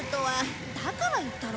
だから言ったろ？